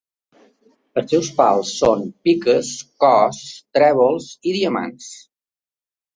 Els seus pals són piques, cors, trèvols i diamants.